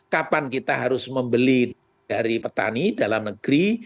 kapan kita harus membeli dari petani dalam negeri